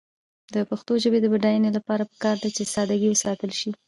د پښتو ژبې د بډاینې لپاره پکار ده چې ساده ګي وساتل شي.